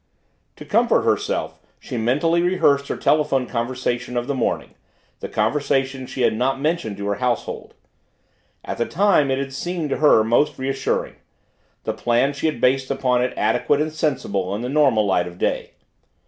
To comfort herself she mentally rehearsed her telephone conversation of the morning, the conversation she had not mentioned to her household. At the time it had seemed to her most reassuring the plans she had based upon it adequate and sensible in the normal light of day.